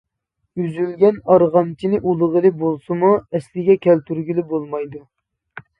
ئۈزۈلگەن ئارغامچىنى ئۇلىغىلى بولسىمۇ، ئەسلىگە كەلتۈرگىلى بولمايدۇ.